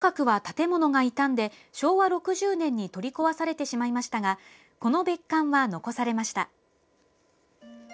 延寿閣は建物が傷んで昭和６０年に取り壊されてしまいましたがこの別館は残されました。